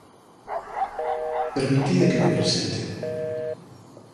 Permitide que me presente.